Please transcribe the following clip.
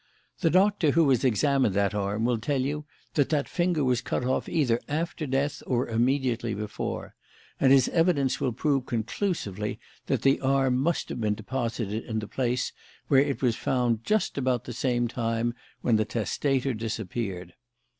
The doctor who has examined that arm will tell you that that finger was cut off either after death or immediately before; and his evidence will prove conclusively that that arm must have been deposited in the place where it was found just about the time when the testator disappeared.